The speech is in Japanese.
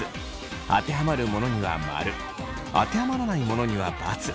当てはまるものには○当てはまらないものには×。